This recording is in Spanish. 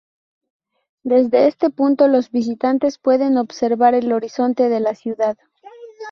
Desde este punto los visitantes pueden observar el horizonte de la ciudad.